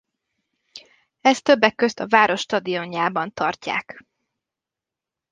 Ezt többek közt a város stadionjában tartják.